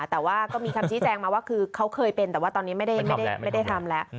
แต่ว่าก็มีคำชี้แจงมาว่าคือเขาเคยเป็นแต่ว่าตอนนี้ไม่ได้ทำแล้ว